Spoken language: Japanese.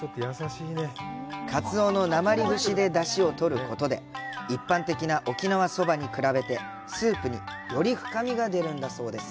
カツオのなまり節で出汁を取ることで一般的な沖縄そばに比べてスープにより深みが出るんだそうです。